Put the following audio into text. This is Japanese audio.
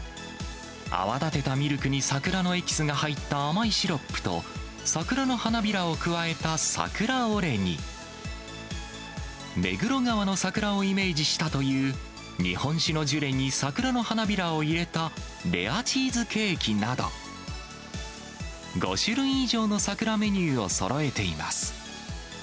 泡立てたミルクに桜のエキスが入った甘いシロップと、桜の花びらを加えた桜オレに、目黒川の桜をイメージしたという、日本酒のジュレに桜の花びらを入れたレアチーズケーキなど、５種類以上の桜メニューをそろえています。